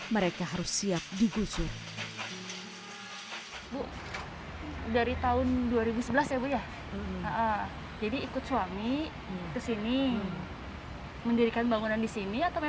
mereka juga mencari tempat untuk mencari tempat untuk mencari tempat untuk mencari tempat